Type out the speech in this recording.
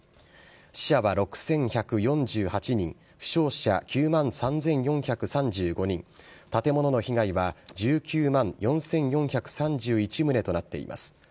死者は６１４８人負傷者９万３４３５人建物の被害は１９万４４３１棟となっています。